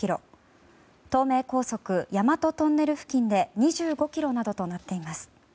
東名高速・大和トンネル付近で２５ｋｍなどとなっています。